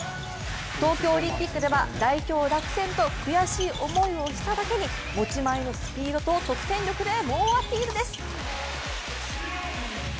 東京オリンピックでは代表落選と悔しい思いをしただけに持ち前のスピードと得点力で猛アピールです。